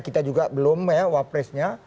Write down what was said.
kita juga belum ya wapresnya